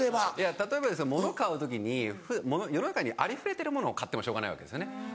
例えばですけど物買う時に世の中にありふれてる物買ってもしょうがないわけですよね。